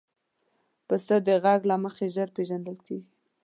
پسه د غږ له مخې ژر پېژندل کېږي.